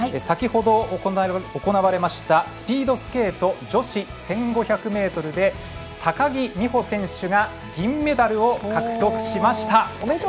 先ほど、行われましたスピードスケート女子１５００ｍで高木美帆選手が銀メダルを獲得しました。